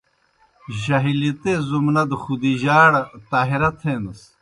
جاہلیتے زُمنہ دہ خُدیجہ ئڑ ”طاہرہ“ تھینَس۔